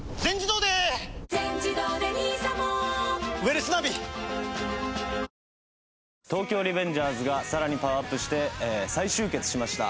「アサヒザ・リッチ」新発売『東京リベンジャーズ』が更にパワーアップして再集結しました。